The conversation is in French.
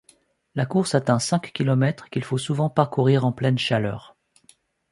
La course atteint cinq kilomètres, qu’il faut souvent parcourir en pleine chaleur.